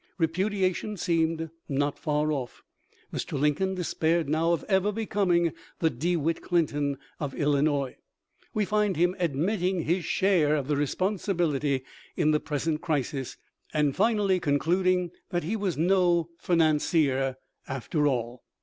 Repu diation seemed not far off. Mr. Lincoln despaired now of ever becoming the " DeWitt Clinton of Illi nois." We find him admitting " his share of the responsibility in the present crisis," and finally con cluding that he was " no financier " after all.